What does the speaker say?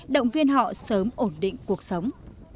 động viên họ sớm ổn định cuộc sống